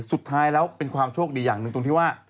สุดท้ายแล้วเป็นความโชคดีอย่างหนึ่งตรงที่ว่า